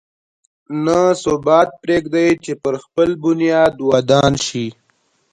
نه ثبات پرېږدي چې پر خپل بنیاد ودان شي.